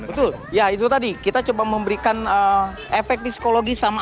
betul ya itu tadi kita coba memberikan efek psikologi sama anak